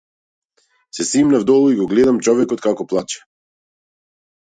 Се симнав долу и го гледам човекот како плаче.